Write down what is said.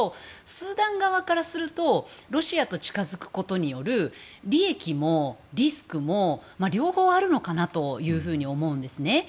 スーダン側からするとロシアと近づくことによる利益も、リスクも両方あるのかなと思うんですね。